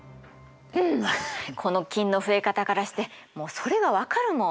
この菌の増え方からしてもうそれが分かるもん。